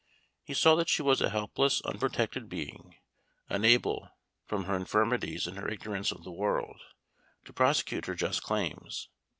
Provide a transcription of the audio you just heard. He saw that she was a helpless, unprotected being, unable, from her infirmities and her ignorance of the world, to prosecute her just claims.